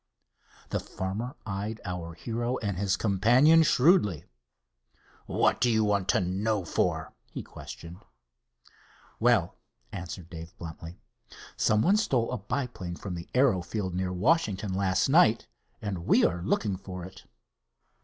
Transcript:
The farmer eyed our hero and his companion shrewdly. "What do you want to know for?" he questioned. "Well," answered Dave, bluntly, "someone stole a biplane from the aero field, near Washington, last night, and we are looking for it."